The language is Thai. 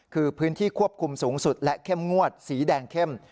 คือพื้นที่ควบคุมสูงสุดและเข้มงวดสีแดงเข้ม